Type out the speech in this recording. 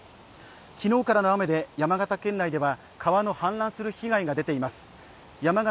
昨日からの雨で山形県内では川の氾濫する被害が出ています。